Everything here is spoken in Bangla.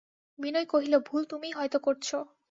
বিনয় কহিল, ভুল তুমিই হয়তো করছ।